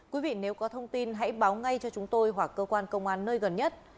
quý vị nếu có thông tin hãy báo ngay cho chúng tôi hoặc cơ quan công an nơi gần nhất